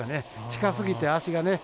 近すぎて足がね